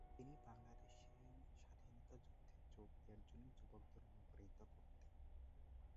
তিনি বাংলাদেশের স্বাধীনতা যুদ্ধে যোগ দেওয়ার জন্য যুবকদের অনুপ্রাণিত করতেন।